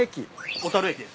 小樽駅です。